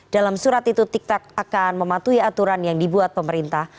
dalam surat itu tiktok akan mematuhi aturan yang dibuat pemerintah